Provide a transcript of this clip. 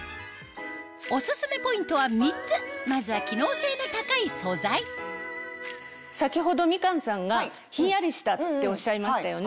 オススメポイントは３つまずは機能性の高い素材先ほどみかんさんがヒンヤリしたっておっしゃいましたよね。